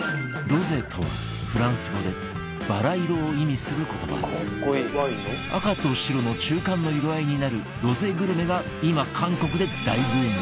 「ロゼ」とはフランス語でバラ色を意味する言葉赤と白の中間の色合いになるロゼグルメが今韓国で大ブーム